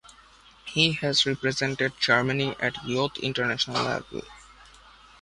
He has represented Germany at youth international level.